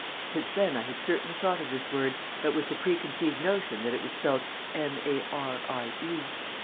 Since then I had certainly thought of this word, but with the preconceived notion that it was spelt M A R I E.